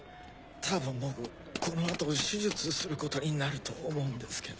多分僕この後手術することになると思うんですけど。